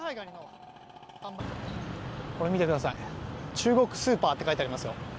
中国スーパーって書いてありますよ。